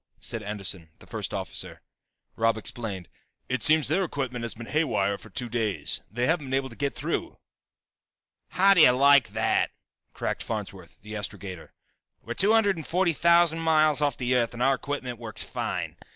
said Anderson, the first officer. Robb explained. "It seems their equipment has been haywire for two days, they haven't been able to get through." "How do you like that!" cracked Farnsworth, the astrogator. "We're two hundred and forty thousand miles off the Earth and our equipment works fine.